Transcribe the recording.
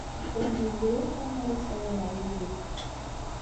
Bded d lewqam mi ara ssawaleɣ yid-k!